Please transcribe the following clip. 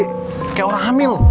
kayak orang hamil